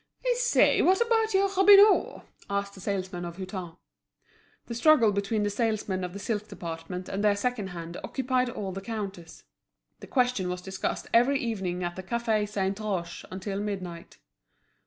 "I say, what about your Robineau?" asked a salesman of Hutin. The struggle between the salesmen of the silk department and their second hand occupied all the counters. The question was discussed every evening at the Café Saint Roch until midnight.